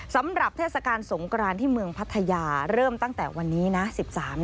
สำหรับเทศกาลสงกรานที่เมืองพัทยาเริ่มตั้งแต่วันนี้นะ